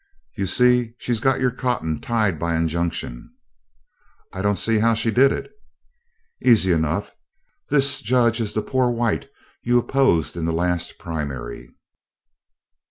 "You see, she's got your cotton tied by injunction." "I don't see how she did it." "Easy enough: this Judge is the poor white you opposed in the last primary."